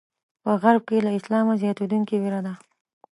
په غرب کې له اسلامه زیاتېدونکې وېره ده.